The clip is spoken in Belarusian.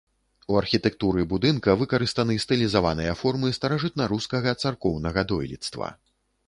У архітэктуры будынка выкарыстаны стылізаваныя формы старажытнарускага царкоўнага дойлідства.